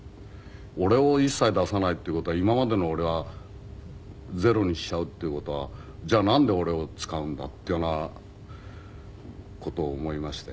俺を一切出さないっていう事は今までの俺はゼロにしちゃうっていう事はじゃあなんで俺を使うんだっていうような事を思いまして。